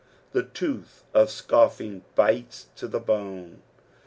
The tooth of scuffing bitca to the bone.